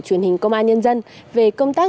truyền hình công an nhân dân về công tác